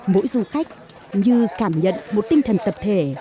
mỗi du khách như cảm nhận một tinh thần tập thể